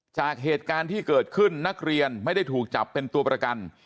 จากเหตุการณ์ที่เกิดขึ้นนักเรียนไม่ได้ถูกจับเป็นตัวประกัน